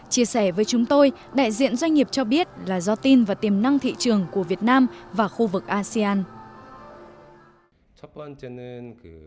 chia sẻ với chúng tôi đại diện doanh nghiệp cho biết là do tin và tiềm năng thị trường của việt nam và khu vực asean